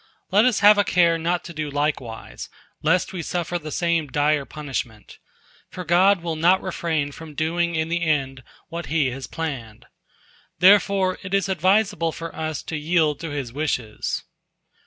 Let us have a care not to do likewise, lest we suffer the same dire punishment. For God will not refrain from doing in the end what He has planned. Therefore it is advisable for us to yield to His wishes."